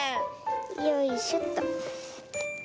よいしょっと。